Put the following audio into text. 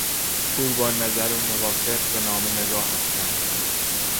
او با نظر موافق به نامه نگاه افکند.